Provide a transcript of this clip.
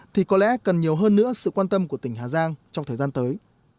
thì có lẽ cần nhiều hơn nữa sự quan tâm của tỉnh hà giang trong thời gian tới